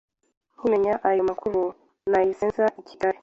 Nkimenya ayo makuru, nahise nza i Kigali,